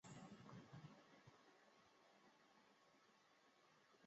山北町为新舄县最北端面向日本海的一町。